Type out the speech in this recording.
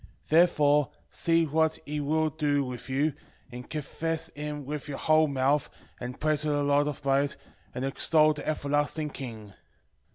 Therefore see what he will do with you, and confess him with your whole mouth, and praise the Lord of might, and extol the everlasting King.